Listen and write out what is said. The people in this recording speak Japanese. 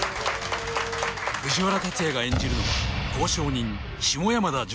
藤原竜也が演じるのは交渉人下山田譲